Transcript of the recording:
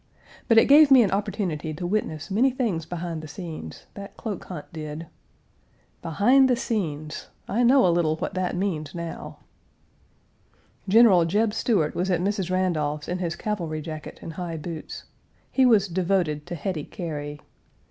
But it gave me an opportunity to witness many things behind the scenes that cloak hunt did. Behind the scenes! I know a little what that means now. General Jeb Stuart was at Mrs. Randolph's in his cavalry jacket and high boots. He was devoted to Hetty Cary.